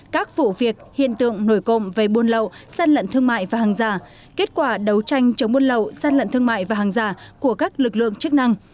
các vụ việc hiện tượng nổi cộng về buôn lậu săn lận thương mại và hàng giả kết quả đấu tranh chống buôn lậu gian lận thương mại và hàng giả của các lực lượng chức năng